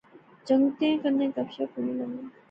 جنگتیں کنے گپ شپ ہونے لغی